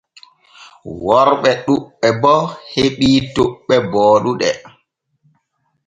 Worɓe ɗuuɓɓe bo heɓii toɓɓe booɗuɗe.